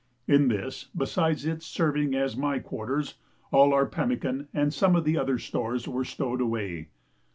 In this, besides its serving as my quarters, all our pemmican and some of the other stores were stowed away.